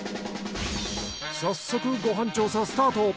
早速ご飯調査スタート！